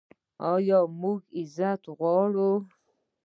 آیا موږ عزت غواړو؟